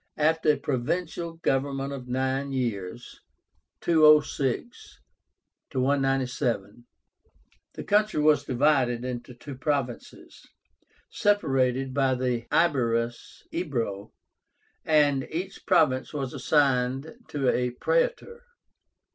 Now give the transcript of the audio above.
After a provincial government of nine years (206 197), the country was divided into two provinces, separated by the IBÉRUS (Ebro), and each province was assigned to a praetor.